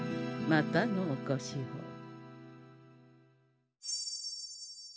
またのおこしを。